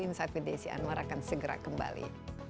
insight with desi anwar akan segera kembali